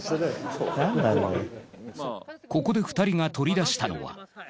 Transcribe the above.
ここで２人が取り出したのは。